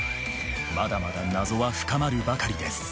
まだまだ謎は深まるばかりです。